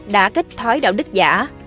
đã kích thói đạo đức giả